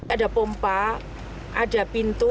ada pompa ada pintu